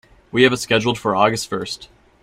We have it scheduled for August first.